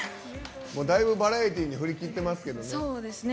だいぶバラエティーに振り切ってますけどね。